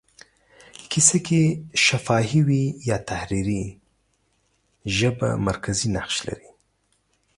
کیسه که شفاهي وي یا تحریري، ژبه مرکزي نقش لري.